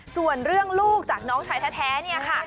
ส่วนเรื่องลูกจากน้องชายแท้เนี่ยค่ะ